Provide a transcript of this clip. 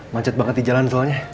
macet banget di jalan soalnya